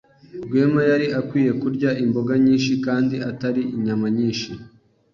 Rwema yari akwiye kurya imboga nyinshi kandi atari inyama nyinshi.